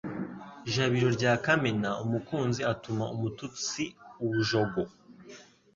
Jabiro rya Kamena Umukunzi atuma umututsi ubujogo